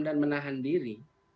dan menahan diri